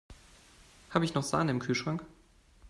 Habe ich noch Sahne im Kühlschrank?